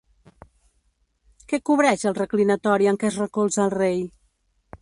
Què cobreix el reclinatori en què es recolza el rei?